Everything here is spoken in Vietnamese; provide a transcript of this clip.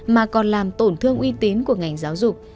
mà còn làm tổn thương uy tín của ngành giáo dục